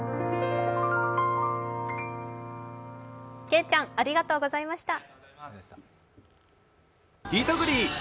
けいちゃん、ありがとうございました。